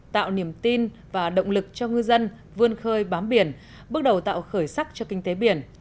tạo niềm tin và động lực cho ngư dân vươn khơi bám biển bước đầu tạo khởi sắc cho kinh tế biển